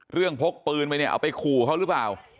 พกปืนไปเนี่ยเอาไปขู่เขาหรือเปล่า